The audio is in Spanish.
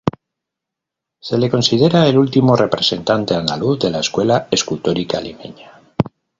Se le considera el último representante andaluz de la escuela escultórica limeña.